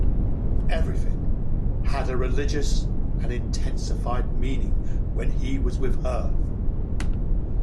Everything had a religious and intensified meaning when he was with her.